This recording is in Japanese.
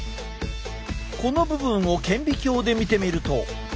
この部分を顕微鏡で見てみると。